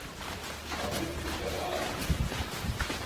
A trükk beválik.